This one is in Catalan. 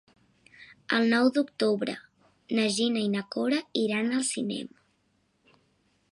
El nou d'octubre na Gina i na Cora iran al cinema.